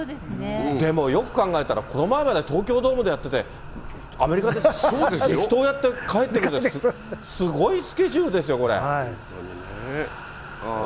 でもよく考えたら、この前まで東京ドームでやってて、アメリカで激闘やって帰って来るって、すごいスケジュールですよ、本当にね。